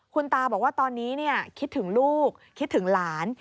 คุณตาบอกว่าตอนนี้คิดถึงลูกคิดถึงหลาน